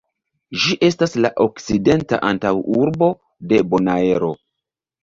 Ĝi estas la okcidenta antaŭurbo de Bonaero.